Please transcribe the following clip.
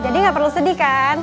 jadi gak perlu sedih kan